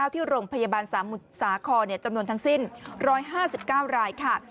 ที่โรงพยาบาลสมุทรสาครจำนวนทั้งสิ้น๑๕๙รายค่ะ